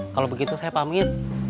kalau begitu saya pamit